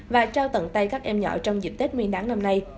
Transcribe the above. và trao tận tay các em nhỏ trong dịp tết nguyên đáng năm nay